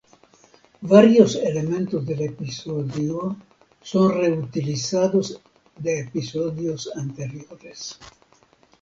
Varios elementos del episodio son reutilizados de episodios anteriores.